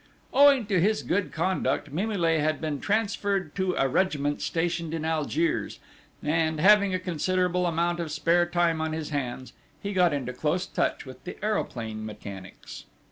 Owing to his good conduct Mimile had been transferred to a regiment stationed in Algiers, and having a considerable amount of spare time on his hands, he got into close touch with the aeroplane mechanics.